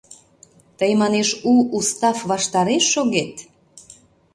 Тый, манеш, у устав ваштареш шогет!